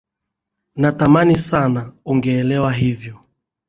natamani sana ungeelewa hivyo